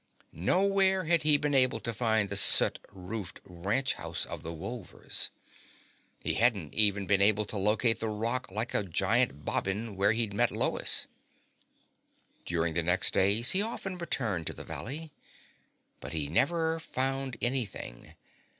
Nowhere had he been able to find the soot roofed ranch house of the Wolvers. He hadn't even been able to locate the rock like a giant bobbin where he'd met Lois. During the next days he often returned to the valley. But he never found anything.